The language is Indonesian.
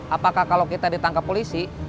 apakah kalau kita ditangkap polisi